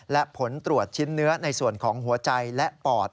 และผลตรวจชิ้นเนื้อในส่วนของหัวใจและปอด